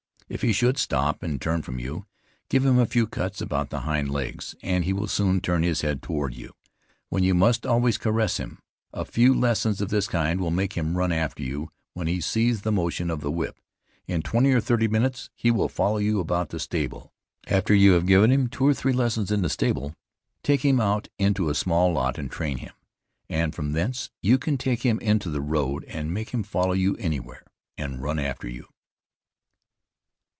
If he should stop and turn from you, give him a few cuts about the hind legs, and he will soon turn his head toward you, when you must always caress him. A few lessons of this kind will make him run after you, when he sees the motion of the whip in twenty or thirty minutes he will follow you about the stable. After you have given him two or three lessons in the stable, take him out into a small lot and train him; and from thence you can take him into the road and make him follow you anywhere, and run after you.